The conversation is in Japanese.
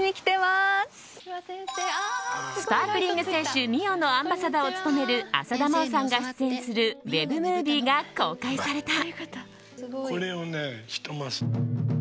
スパークリング清酒、澪のアンバサダーを務める浅田真央さんが出演するウェブムービーが公開された。